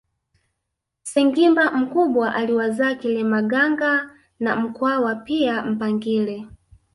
Sengimba mkubwa aliwazaa Kilemaganga na Mkwawa pia Mpangile